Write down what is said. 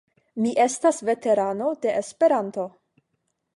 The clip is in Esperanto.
Mi estas veterano de Esperanto.